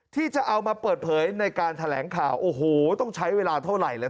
ที่จะเอามาเปิดเผยในการแถลงข่าวโอ้โหต้องใช้เวลาเท่าไหร่เลย